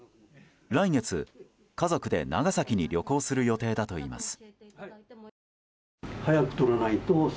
来月、家族で長崎に旅行する予定だといいます。